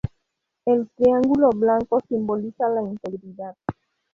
El triángulo blanco simboliza la integridad.